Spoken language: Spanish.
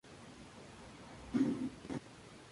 Los colonizadores españoles llamaron al arroyo "Río de Pasig".